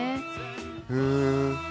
へえ。